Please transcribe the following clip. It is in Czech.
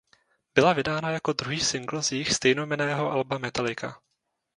Byla vydána jako druhý singl z jejich stejnojmenného alba "Metallica".